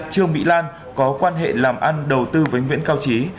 trương mỹ lan có quan hệ làm ăn đầu tư với nguyễn cao trí